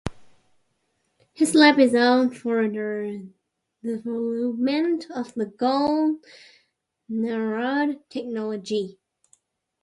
His lab is known for the development of the gold nanorod technology.